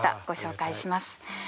ご紹介します。